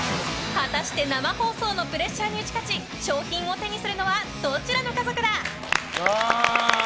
果たして生放送のプレッシャーに打ち勝ち商品を手にするのはどちらの家族だ？